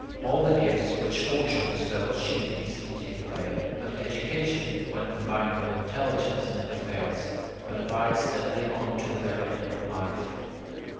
All the gifts which fortune bestows she can easily take away; but education, when combined with intelligence, never fails, but abides steadily on to the very end of life.